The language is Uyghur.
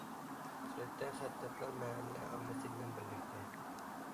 سۈرەتتە: خەتتاتلار مەھەللە ئاممىسى بىلەن بىرلىكتە.